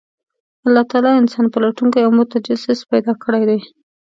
الله تعالی انسان پلټونکی او متجسس پیدا کړی دی،